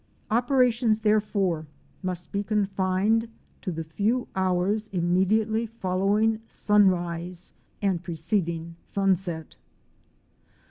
Operations, therefore, must be confined to the few hours immediately following sunrise, and preceding sunset.